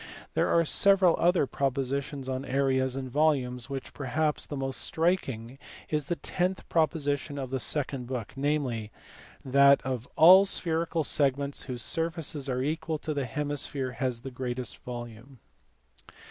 There are several other propositions on areas and volumes of which perhaps the most striking is the tenth proposition of the second book, namely that "of all spherical segments whose surfaces are equal the hemisphere has the greatest volume."